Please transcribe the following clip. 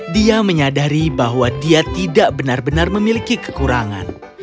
dia menyadari bahwa dia tidak benar benar memiliki kekurangan